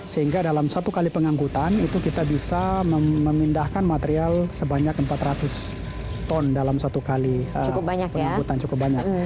sehingga dalam satu kali pengangkutan itu kita bisa memindahkan material sebanyak empat ratus ton dalam satu kali pengangkutan cukup banyak